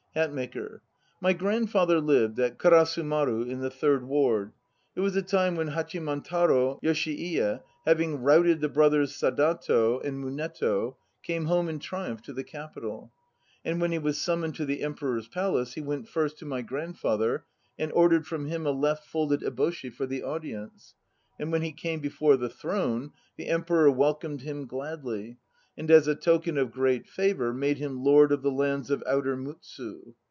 HATMAKER. My grandfather lived at Karasu maru in the Third Ward. It was the time when Hachimantard Yoshi iye, having routed * the brothers Sadato and Muneto, Came home in triumph to the Capital. And when he was summoned to the Emperor's Palace, he went first to my grandfather and ordered from him A left folded eboshi for the Audience. And when he was come before the Throne The Emperor welcomed him gladly And as a token of great favour made him lord Of the lands of Outer Mutsu.